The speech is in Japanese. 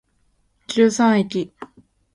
十三駅